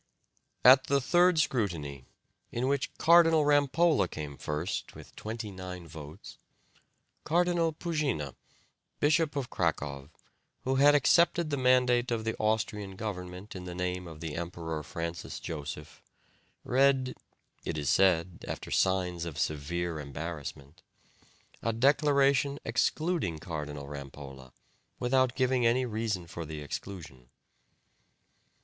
At the third scrutiny, in which Cardinal Rampolla came first with twenty nine votes, Cardinal Puzyna, Bishop of Cracow, who had accepted the mandate of the Austrian government in the name of the Emperor Francis Joseph, read (it is said after signs of severe embarrassment) a declaration excluding Cardinal Rampolla, without giving any reason for the exclusion.